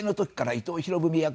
伊藤博文役？